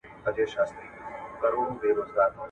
د ادبي ډلو ترمنځ باید عدل وسی.